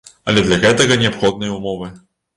Але для гэта неабходныя ўмовы.